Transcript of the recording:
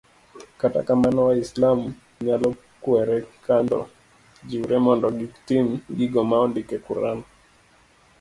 kata kamano, waislam nyalo kuerre kando jiwre mondo gitim gigo ma ondik e Quran